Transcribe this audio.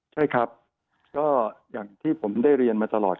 ใช่ครับก็อย่างที่ผมได้เรียนมาตลอด